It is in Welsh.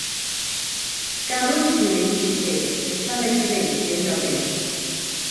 Ganwyd Gwilym Prys Davies yn Llanegryn, Meirionnydd.